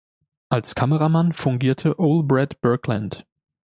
Als Kameramann fungierte Ole Bratt Birkeland.